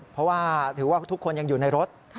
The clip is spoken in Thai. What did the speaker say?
เพราะว่าถือว่าทุกคนยังอยู่ในรถ